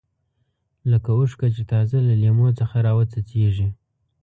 لکه اوښکه چې تازه له لیمو څخه راوڅڅېږي.